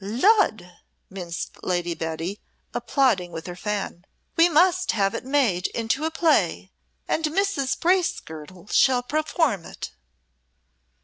"Lud!" minced Lady Betty, applauding with her fan. "We must have it made into a play and Mrs. Bracegirdle shall perform it."